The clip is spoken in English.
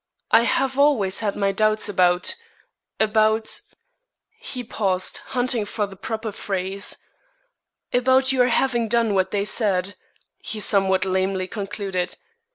"I have always had my doubts about about " he paused, hunting for the proper phrase "about your having done what they said," he somewhat lamely concluded.